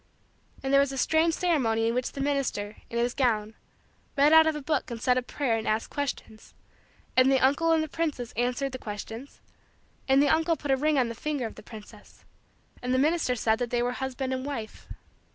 And there was a strange ceremony in which the minister, in his gown, read out of a book and said a prayer and asked questions; and the uncle and the princess answered the questions; and the uncle put a ring on the finger of the princess; and the minister said that they were husband and wife.